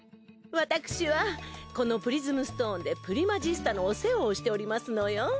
私はこのプリズムストーンでプリマジスタのお世話をしておりますのよ。